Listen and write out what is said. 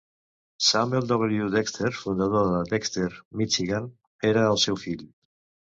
Samuel W. Dexter, fundador de Dexter, Michigan, era el seu fill.